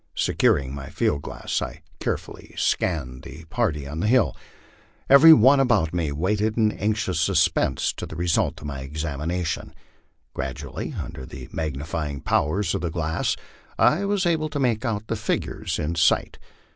Securing my field glass, I carefully scanned the 250 MY LIFE ON THE PLAIXS. party on the hill. Every one about me waited in anxious suspense the re sult of my examination. Gradually, under the magnifying powers of the glass, I was able to make out the figures in sight.